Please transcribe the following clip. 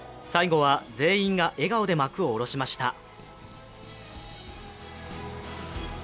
最後は全員が笑顔で幕を下ろしました。